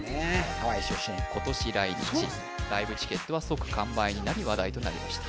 ハワイ出身今年来日ライブチケットは即完売になり話題となりました